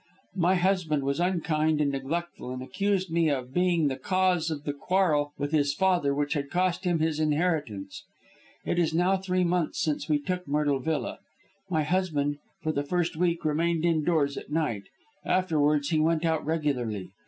My husband was unkind and neglectful, and accused me of being the cause of the quarrel with his father which had cost him his inheritance. It is now three months since we took Myrtle Villa. My husband, for the first week, remained indoors at night; afterwards he went out regularly.